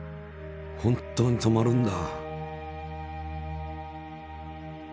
本当に止まるんだ！